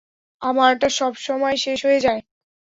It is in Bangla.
আমারটা সবসময়ে শেষ হয়ে যায়।